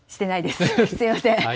すみません。